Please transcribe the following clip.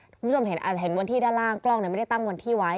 คุณผู้ชมอาจจะเห็นวันที่ด้านล่างกล้องไม่ได้ตั้งวันที่ไว้